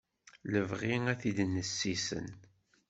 Lebɣi ad t-id-nessisen.